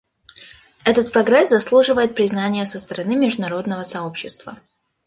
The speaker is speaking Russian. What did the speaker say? Этот прогресс заслуживает признания со стороны международного сообщества.